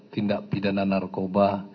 tindak bidana narkoba